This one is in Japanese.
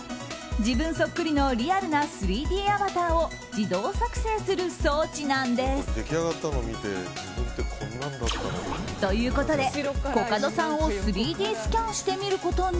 自分そっくりのリアルな３Ｄアバターを自動作成する装置なんです。ということで、コカドさんを３Ｄスキャンしてみることに。